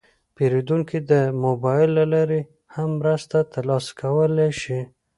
پیرودونکي د موبایل له لارې هم مرسته ترلاسه کولی شي.